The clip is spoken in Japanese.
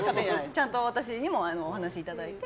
ちゃんと私にもお話をいただいて。